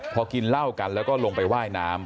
พอกินเหล้ากันแล้วก็ลงไปว่ายน้ำ